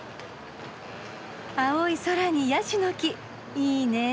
青い空にヤシの木いいね。